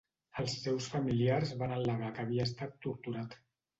Els seus familiars van al·legar que havia estat torturat.